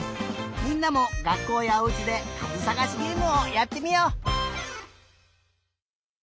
みんなもがっこうやおうちでかずさがしゲームをやってみよう！